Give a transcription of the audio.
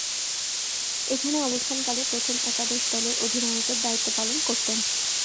এখানে অবস্থানকালে প্রথম একাদশ দলের অধিনায়কের দায়িত্ব পালন করতেন।